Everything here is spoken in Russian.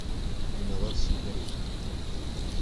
Инновации по-русски